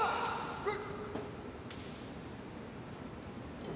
はい！